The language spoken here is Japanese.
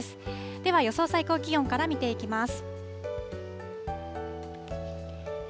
では、予想最高気温から見ていきます。